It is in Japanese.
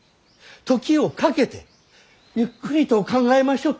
時をかけてゆっくりと考えましょう。